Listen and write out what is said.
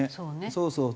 そうそう。